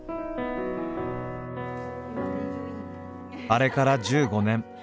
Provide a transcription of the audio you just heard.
あれから１５年。